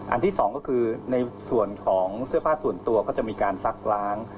ที่สองก็คือในส่วนของเสื้อผ้าส่วนตัวก็จะมีการซักล้าง